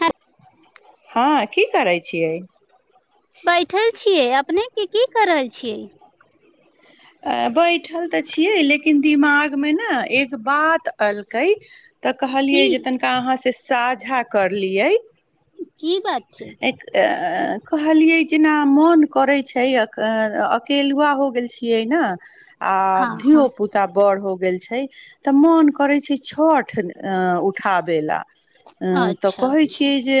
हँ हँ की करै छियै। बैठल छियै। अपने के की क रहल छियै। बैठल तऽ छियै लेकिन दिमागमे ने एक बात अलकै। तऽ की कहलियै जे तनिका अहाँ से सााद, साझा करलियै। की बात छैइ अ कहलिये जेना मन करै छैइ अकेलुआ हो गेल छीअइ। किैयै ना आ हँ धियो हँ पुता बड़ हो। गेल छै तऽ मन करे छै छठ उठाबे ला। अ तऽ अच्छा कहैत अच्छा छियै जे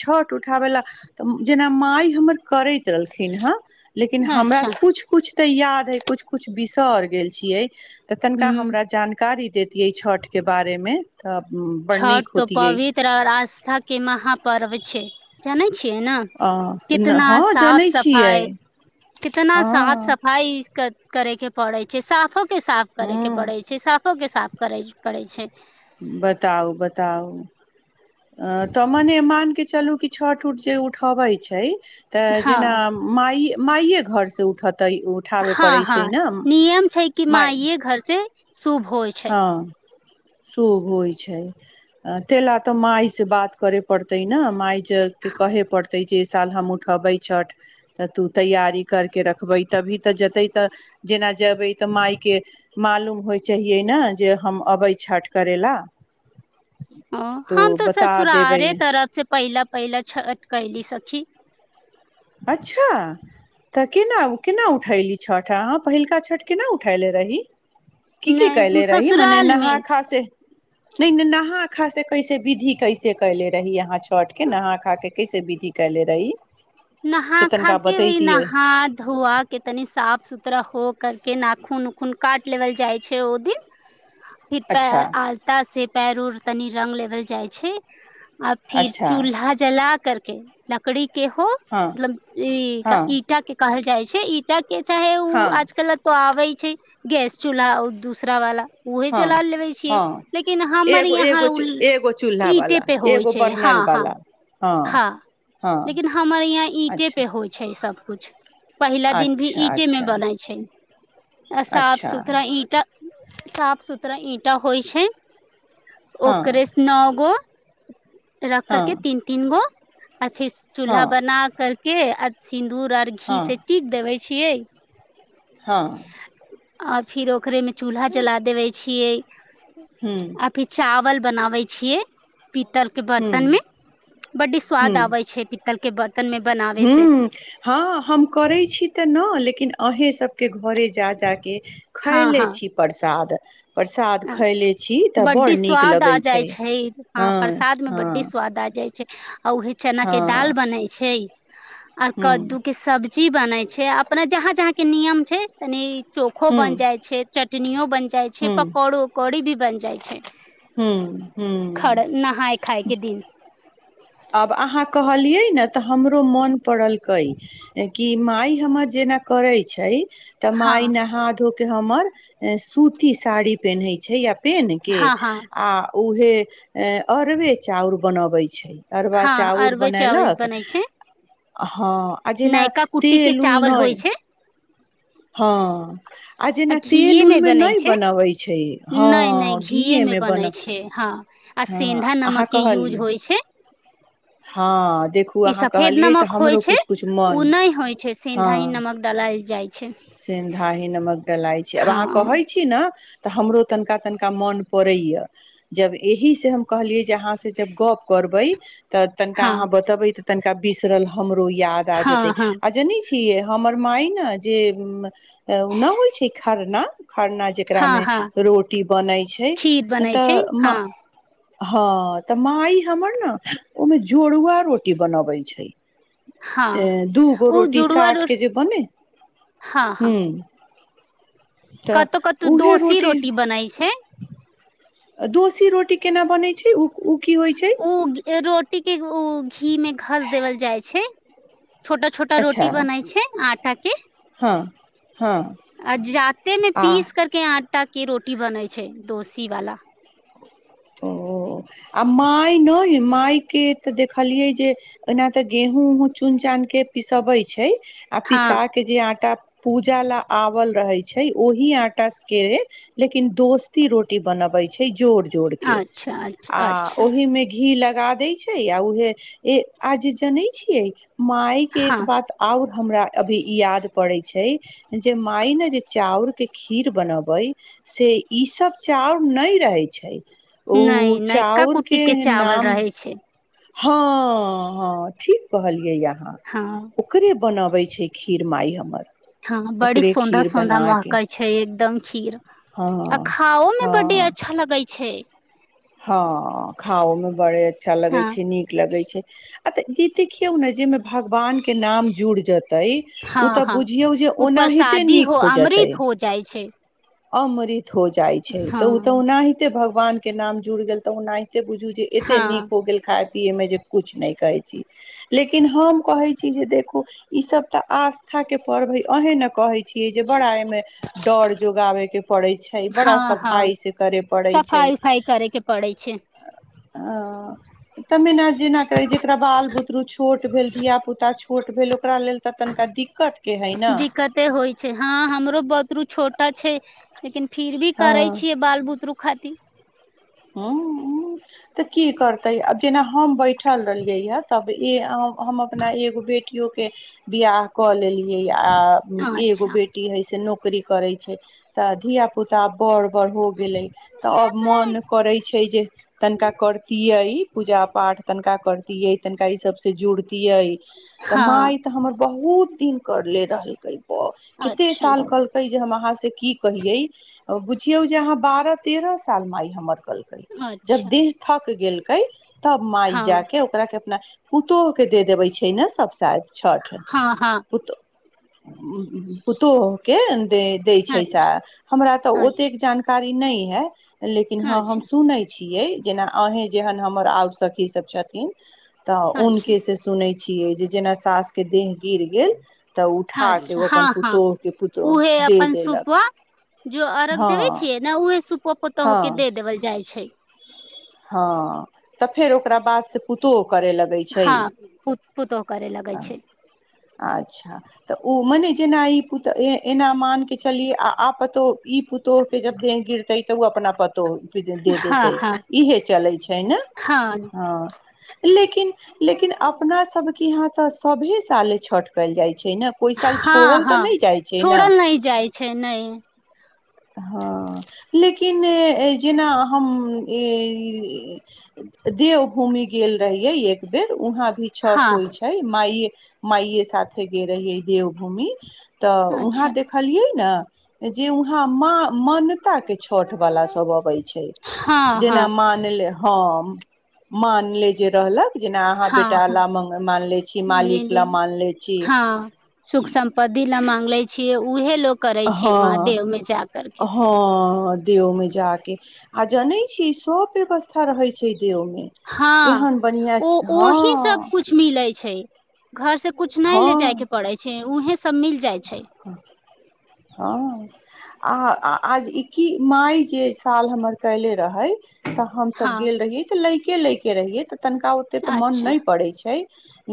छठ उठाबै लए तऽ जेना माइ हमर करैत रहलखिन हँ लेकिन हमरा अच्छा कुछ कुछ तऽ याद है कुछ कुछ बिसर गेल छियै। तऽ तनिका ह हमरा जानकारी दैतियै छठिकके बारेमे। छठ तो पवित्र आओर आस्था के महापर्व छै। जैने छी है न अ कितना हँ साफ जनै छियै सफाइ कितना हँ साफ सफाइ इसक। करे के पड़ैत छै साफ साफो के साफ करे के हँ पड़ै छै साफो के साफ करै पड़ै छै। बताउ बताउ अ तऽ मने मान कि चलू कि छठ उठ जे उठबे छै। तऽ जेना हँ माइ माइए घरसँ उठत, हँ हँ नियम छै कि माँ माय आइे घर से। शुभ होइ छै। हँ शुभ होइत छै ताहि ला तऽ मायसँ बात करय पड़तै ने मायके कहे पड़तै जे साल हम उठेबै छठ तऽ तू तैयारी करके रखबै तभी तऽ जेतै तऽ जेना जेबै तऽ मायके मालूम होइ छैी। किियै ने जे हम अबै छठ करै लए ओ हम तऽ देबै ससुरारे तरफ से पहिला पहिला छत कैली सखी, अच्छा तऽ केना केना उठली छठ, पहिलका छठ केना उठेले रही की की कैल नहि रहिी मने ससुराल मे नहा खास नहि नहा खा से कैसे विधि कैसे कले रही यहाँ छठ के नहा खा के कैसे विधि कले रही। से नहा खा तनिका के भी बतैतियै नहा धोआ कितनी साफ सुथरा हो करके नाखून उखून काट लेल जाइ छै ओ दिन, फिर पै अच्छा आलता से पैर उर, तनी रंग लेबल जाइ छै। आ फिर अच्छा चूल्हा जला, करके लकड़ी केहोो, हँ मतलब ई हँ ईटा के, कहल जाइ छै ईटा, के चाहे उ हँ आजकल ऐतो आबै छै गैस चूल्हा अो दूसरा वाला, उहे हँ चला लेबे छियै हँ लेकिन हमर एगो यहाँ एगो चू- उल एगो चूल्हा ईटे वाला पे होइ एगो छै हँ बर्नल हँ वाला हँ हँ लेकिन हमर इहा ईीटे अच्छा पे होइ छै। ई सबकुछु पहिला दिन भी अच्छा ईंटे मे अच्छा बनै छै। आ साफ अच्छा सुथरा ईंटा साफ सुथरा ईटा होइ छै हँ ओकरे से नओ गो [inaudible] रख करके हँ तीन तीन गो अथि स हँ चूल्हा बना के अछ सिन्दूर आर घी से हँ टिक देबे छियै। हँ आ फिर ओकरे मे चूल्हा जला देबे छियै ह्म अभी चावल बनाबै छियै पी्तल के ह्म बर्तन में बड्डी स्वाद आबे छै पी्तल के बर्त। ह्म हँ हम करै छी त न लेकिन लेकिन अहे सबके घरे, जा ज के हँ खायले हँ छी प्रसाद प्रसाद खयले छी अच्छा तऽ बड़ बड्डी नीक स्वाद आ लगै जाइ छै। हँ प्रसाद में बड्डी स्वाद आ जाइ छै। ह [unintelligible] आ उहे चना के हँ दाल बनै छै आर हूँ कद्दू के सब्जी ची बनै छै अपना जहाँ जहाँके नियम छै तनि चोखो हूँ बन जाय छै चटनियो बन जाय छै पक अरो कड़ी भी बन जाइ छै ह्म खर नहाय खाय ह्म के दिन आब आहा कह कहली यइ ने त हमरो मन पड़लकै कि माय हमर जेना करै छै त हँ माइ नहा धो हमर सूती साड़ी पहिन्है छै। या तनीक हँ हँ आ उहे अरबे चाउर बनबै छै अरवा हँ चाउर अरबे चावल बनयलक बनै छै हँ आज न नयका कुट्टी के तेल उल चावल नय होइ छै हँ आ जेना तेल घीये मे उलमे बनै नहि छै बनबैत छै। नहि नहि हँ घीये मे घीएमे बनै बनब छै हँ आ सेन्धा नमक के यूज होइ छै। हँ देखू ई अहाँ सफेद कहलियै तऽ नमक होइ हमरो छै। कुछ कुछ ओ मन नहि होइ छै सेन्धा ह नमक डालल जाइ छै। हा ही न म लाइ छै आब हँ अहाँ कहै छी ने तऽ हमरो तनिका तनिका मोन पड़ैए जब एहिसँ हम कहलियै जे अहाँसँ जब गप्प करबै। तऽ तनिका हँ अहाँ बतेबै तऽ तनिका बिसरल हमरोहि याद आ जेतै हँ हँ आ जनी छिय हमर मााय ने जे नहि होइ छै खरना खरना हँ हँ जकरामे हँ रोटी बनै छै। खीर बनै तऽ छै म हँ हँ तऽ माँइ हमर ने ओहिमे जोड़ुआ रोटी बनबैत छै। हँ अ द ओ गोरोटी जुड़ुआ साठ रो के जी बने हँ हू हँ कतहु कतहु दोसी रोटी बनैत छै। दोसी रोटी केना बनैत छै। ओ की होइ छै ओ रोटी के ओ घी मे घस देवल जाय छै। छोटा छोटा अच्छा रोटी बनाै छै। आटा के हँ हँ आ रते मे आ पीस करके आ आ्टा के रोटी बनै छै। दोसी वाला ओ आ माय नहि माइके तऽ देखलियै जे ओना तऽ गेहूँ उहूँ चुन चान के पिसबैत छै आ हँ पिसा के जे आटा पूजा ला आवल रहे छै ओहि आटा केे लेकिन दोस्ती रोटी बनबै छै जोर जोर के अच्छा आ अच्छा अच्छा ओहि मे घी लग लगा दै छै आ उहे आज जनै छियै माइ केँ एक हँ बात आओर हमरा अभी याद पड़ैत छै जे माय ने जे चाउरके खीर बनेबै से ईसब चाउर नहि रहै छै ओ नहि नहि नयका चाउर कुट्टी के चावल नाम रहै छै हँ हँ ठीक कहलियै या हँ ओकरे बनाबे छै खीर माइ हमर हँ बड़ी ओकरे सौन्दा खीर सौन्दा बना के महकई छै एकदम खीर हँ आ खाओ मे बड्डी अच्छा लगैत छै हाँ खाओ मे बड़े अच्छा लगै हँ छै नीक लगै छै आ तऽ ई देखियौ ने जाहि मे भगवान के नाम जुड़ जत ओ हँ तऽ हँ बुझियौ जे ओ ओनाहि ते परसादी नीक हो जेतै अमृत हो जाइ छै अमृत। हो जाई छै ऊ हँ तऽ ओ ओनाहिते भऽ वान के नाम जुड़ गेल तऽ ओनाहि एते बुझू जे एते नीक हँ हो गेल खाय पिय मे जे कुछ नहि कहै छी लेकिन हम कहै छी जे देखू ई सभ तऽ आस्था के पर्व हे अहे ने कहै छी छियै जे बड़ा एहि मे डोर जोगाबै के पड़ै छै बड़ा हँ हँ सफाई सँ करे पड़ै छै। सफाई उफाई करे के पड़ै छै हा तऽ मे जेना करै जेकरा बाल बुदरू छोट भेल धिया पुता अऽ छोट भेलो दिक्कते होइ छै हँ हमरो बतरु छोटा छै लेकिन फिर भी करे हँ छियै बाल बुतरुक खातिर ह तऽ की करतै आब जेना हम बैठल रहलियै हए तब ए हम अपना एगो बेटियो के बियाह कऽ लेली आ एगो अच्छा बेटी हय से नो नौकरी करै छै। तऽ धियापुता बड़ हो गेलै तऽ अब मन छै जे तनिका करतियै पूजा पाठ तनिका करती यै तनिका ई सब से जुड़तिियै तऽ हँ माय तऽ हमर बहुत बहुत दिन कर ले रहलकै ओ कते अच्छा साल कलकै जे हम अहाँ से की कहिये बुझियऔ जे अहाँ बारह तेरह साल मे आई हमर कलकै जब अच्छा दिल तक गेल कइ तब माइ हँ जााक ओकरा के अपना पुतोहु के दे देबे छै ने सभ शादी छठि हँ हँ पुतोहु पुतोहु के छै दै छै अच्छा सास हमरा त ओतेक अच्छा जानकार इ नहि ह है लेकिन हँ हम अच्छा नै छियै जेना अहीँ जेहन हमर आओर सखीसभ छथिन तऽ उन अच्छा के से सुनै छियै जे जेना सासके देह गिर गेल तऽ उठा के अच्छा ओ अपन हँ हँ पुतोह के उहे पुतोह दे अपन देलक सुपो जो अरघ हँ देबे छियै ने उहे सुपो पुतोहु हँ के देबल जा जाइ छै हँ तऽ फेर ओकरा बाद से पुतोहु करे लगै छै हँ पुतोह करे लगै छै अच्छा तऽ ओ मने जेना ई पुतोहु एना मान के चलियै आ आ पुतोहु ई पुतोहु तो के जब देह गिरतै तऽ ओ अपना पतोह के दे दे हँ हँ इहे चलै छै। ने हँ लेकिन लेकिन अपना सबके यहाँ तऽ सभे साले छठ कयल जाइ छै। ने कोइ साल हँ छोड़ल तऽ हँ नहि जाइ छै। न छोड़ल नहि जाइ छै नहि हँ लेकिन इने जेना हम ई देव भूमि गेल रहिय एक बेर उहाँ भी छठ हँ होइ छै। माये माइये साथे गे रहिए है देवभूमि तऽ अच्छा वहाँ देखलियै न जे उहाँ माॅं मान्यता के छठ वाला सब अबै छै। हँ जेना हँ मान ले ह ह मानले जे रहलक जेना अहाँ हँ हँ बेटाले मानलै छी लिए मालिकले लिए मानलै छी। हँ उएहे लोक हाँ हाँ दे में जा के आ जानै छी। सब व्यवस्था रहै छै देव मे हँ एहन बढ़िया ओ ओ वही सब हँ कुछ मिलै छै। घर से कुछ नहि ले जाय के हँ पड़ै छै। उहे सब मिल जाय छै। [inaudible] हँ आ आज ई की माय जे साल हमर कयले रहय तऽ हमसब हँ गेल रहियै तऽ लै के ले के रहिए तऽ तनिका ओते तऽ मन अच्छा नहि पड़े छै।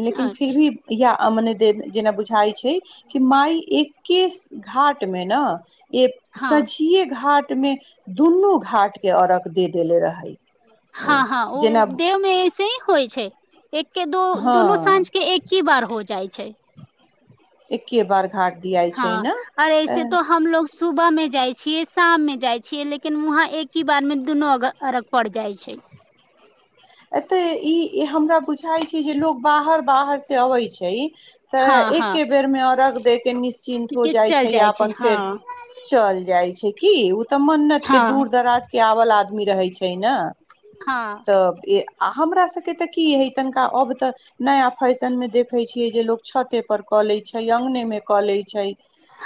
लेकिन फिर अच्छा भी या आ मने दे जेना बुझाई छै। कि माय एक्के घाट मे न एक हँ सझिये घाट में दुनू घाट के अरघ दे देेले रहै हँ हँ ओ जेना देवमे से होइ छै एक के दो दुनू हँ साँझ के एक ही बार हो जाय छै छै एके बारमे हँ आर ऐसे तो हमलोग सुबह मे जाइ छियै शाम मे जाइ छियै लेकिन उहाँ एक ही बार मे दुनू अरघ पड़ जाइ छै एतऽ ई हमरा बुझाइत छै जे लोकोग बाहर बाहर से अबैत छै तऽ हँ हँ एके बेर मे अर्घ दैय के निश्चिन्त हो के जाइ चल छै या अपन फेर हँ चल जाइ छै की त मन्नत के हँ दूर दराज के आवल आद मी रहै छै न हँ आ हमरा सबके त की है तनिका अब त नया फैशन मे देखे छियै जे लोग छते पर क लइ छै अंग्ने क लइ छै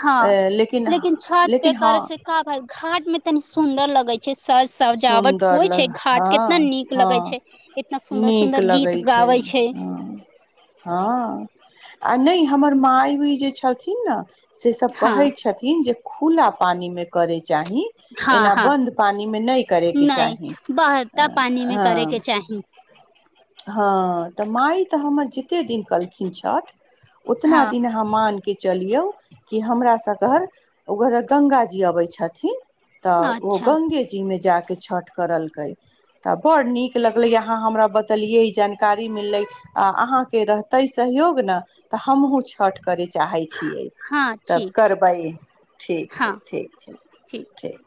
हँ लिन लेकिन छत पे लेकिन ह करे से का भेल घाट में तनी सुंदर लगे छै सज सजावट सुन्दर होइ ल छै घाट कितना हँ नीक हँ लगे छै इतना सुंदर नीक सुंदर गीत लगै छै गाबै ह आ नइ हमर मााय भी जे छथिन न से सभ हँ कहइ छथिन जे खुला पानी मे करे चाही हँ एना हँ बन्द पानी मै नइ करेके नहि चाहि बहता पानी मे करे के ह्म चाही ह्म त माइ त हमर जेते दिन कलखिन छ्ठ अोत्ना हँ दिन आहा मान के च चलियौ कि हमरा स घर ओ गङ्ग जी अबै छथिन त ओ अच्छा गंगे जी मे जा के छठ कर करलकइ त बड नीक लग लइ आहा हमरा बतलियइ जनकारी मिल लइ आ आहा के रहतई सहियोग न त हम्हु छठ करै चाहै छियै हँ तब ठीक छै करबै ठीक हँ छै ठीक छै ठीक